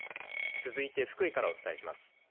続いて、福井からお伝えします。